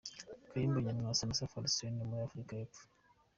Kayumba Nyamwasa na Safari Stanley uri muri Afrika y’Epfo